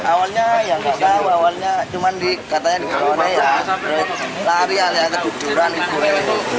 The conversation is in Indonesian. awalnya yang kata awalnya cuman di katanya di rumahnya ya lari alih ada duduran di rumah itu